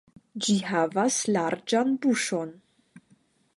Ĝi havas larĝan buŝon.